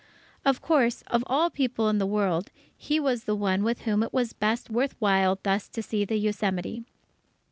Of course, of all people in the world, he was the one with whom it was best worth while thus to see the Yosemite....